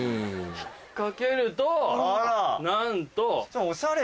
引っ掛けるとなんと。